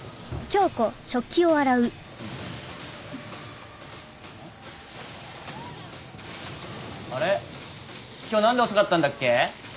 今日何で遅かったんだっけ？